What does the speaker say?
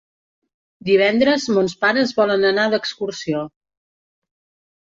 Divendres mons pares volen anar d'excursió.